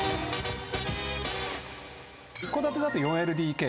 一戸建てだと４ＬＤＫ。